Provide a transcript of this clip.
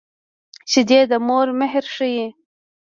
شیدې د مور مهر ښيي